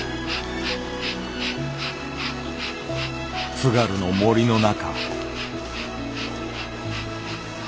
津軽の森の中。